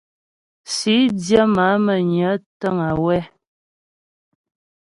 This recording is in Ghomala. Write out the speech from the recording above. Sǐdyə má'a Mə́nyə təŋ wɛ́.